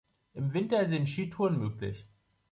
Im Winter sind Skitouren möglich.